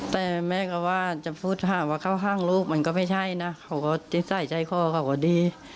แต่แม่ก็จะพูดว่าเข้าห้างลูกก็ไม่ใช่เขาก็ติดใส่ใจคอเขาก็ดี